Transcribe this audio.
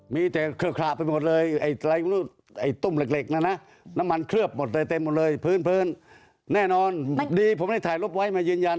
มีแต่เคลือขระไปหมดเลยไอ้ตุ้มเหล็กนะนะน้ำมันเคลือบหมดเลยเต็มหมดเลยพื้นแน่นอนดีผมได้ถ่ายรูปไว้มายืนยัน